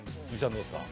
どうですか？